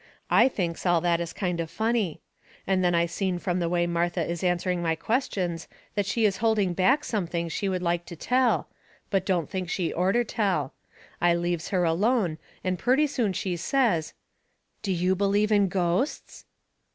I thinks all that is kind of funny. And then I seen from the way Martha is answering my questions that she is holding back something she would like to tell, but don't think she orter tell. I leaves her alone and purty soon she says: "Do you believe in ghosts?"